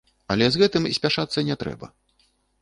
Але з гэтым спяшацца не трэба.